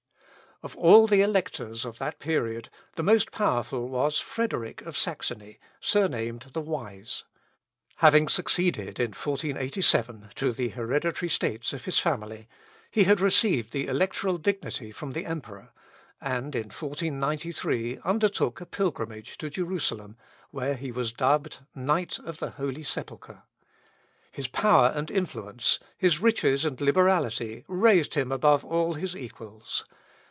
Of all the Electors of that period, the most powerful was Frederick of Saxony, surnamed the Wise. Having succeeded, in 1487, to the hereditary states of his family, he had received the electoral dignity from the emperor, and in 1493 undertook a pilgrimage to Jerusalem, where he was dubbed "Knight of the Holy Sepulchre." His power and influence, his riches and liberality, raised him above all his equals.